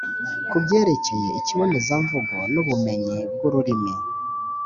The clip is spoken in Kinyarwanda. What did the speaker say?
ku byerekeye ikibonezamvugo n’ubumenyi bw’ururimi,